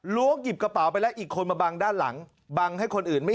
หยิบกระเป๋าไปแล้วอีกคนมาบังด้านหลังบังให้คนอื่นไม่